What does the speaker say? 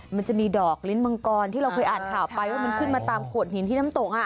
มันจะมีดอกลิ้นมังกรที่เราเคยอ่านข่าวไปว่ามันขึ้นมาตามโขดหินที่น้ำตก